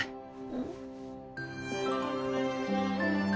うん。